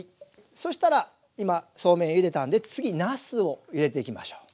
そしたら今そうめんゆでたんで次なすをゆでていきましょう。